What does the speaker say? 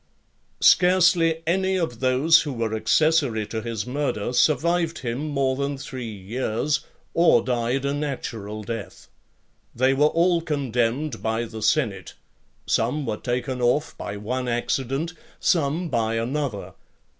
LXXXIX. Scarcely any of those who were accessary to his murder, survived him more than three years, or died a natural death . They were all condemned by the senate: some were taken off by one accident, some by another.